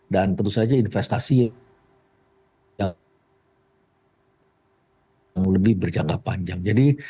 dan tentu saja investasi yang lebih berjaga panjang